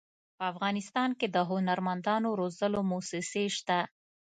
په افغانستان کې د هنرمندانو روزلو مؤسسې شته.